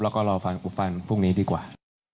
แล้วก็รอฟังปุฟันพรุ่งนี้ดีกว่า